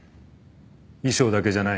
衣装だけじゃない